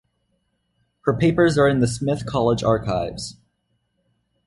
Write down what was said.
Her papers are in the Smith College archives.